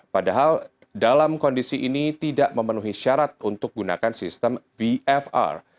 padahal dalam kondisi ini tidak memenuhi syarat untuk gunakan sistem vfr